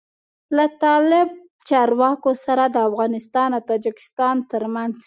له طالب چارواکو سره د افغانستان او تاجکستان تر منځ